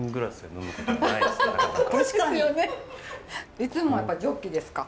いつもはジョッキですか？